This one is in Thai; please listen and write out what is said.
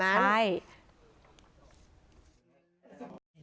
แบบนั้น